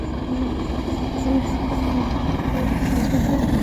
পানিসম্পদ মন্ত্রণালয়ের সহায়তায় নগরের জলাবদ্ধতা মোকাবিলায় মেগা প্রকল্প হাতে নেওয়া হচ্ছে।